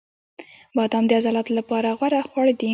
• بادام د عضلاتو لپاره غوره خواړه دي.